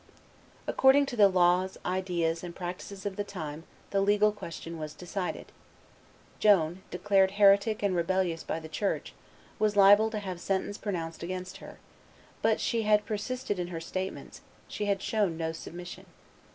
According to the laws, ideas, and practices of the time the legal question was decided. Joan, declared heretic and rebellious by the Church, was liable to have sentence pronounced against her; but she had persisted in her statements, she had shown no submission.